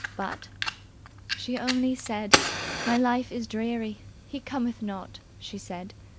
But "She only said 'My life is dreary, He cometh not,' she said.